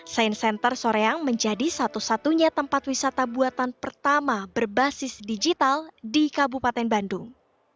science center soreang menjadi satu satunya tempat wisata buatan pertama berbasis digital di kabupaten bandung